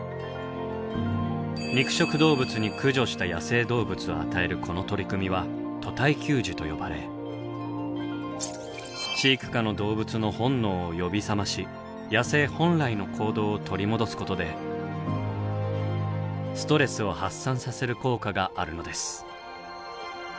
肉食動物に駆除した野生動物を与えるこの取り組みは「屠体給餌」と呼ばれ飼育下の動物の本能を呼び覚まし野生本来の行動を取り戻すことでストレスを発散させる効果があるのです。